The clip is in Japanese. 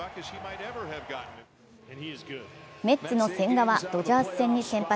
メッツの千賀はドジャーズ戦に先発。